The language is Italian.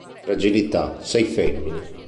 Fragilità, sei femmina!